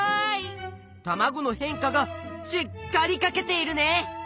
たまごの変化がしっかりかけているね！